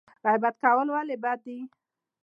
غیبت کول ولې بد دي؟